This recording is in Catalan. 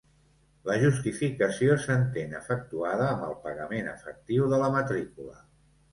La justificació s'entén efectuada amb el pagament efectiu de la matrícula.